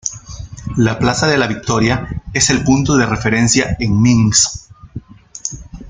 La plaza de la Victoria es el punto de referencia en Minsk.